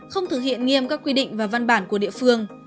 không thực hiện nghiêm các quy định và văn bản của địa phương